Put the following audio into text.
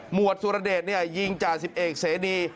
วดสุรเดชยิงจ่าสิบเอกเสดี